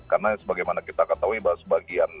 karena sebagaimana kita ketahui bahwa sebagian